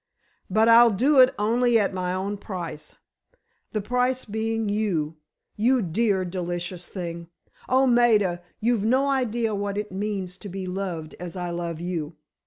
But, I'll do it only at my own price. The price being you—you dear, delicious thing! Oh, Maida, you've no idea what it means to be loved as I love you!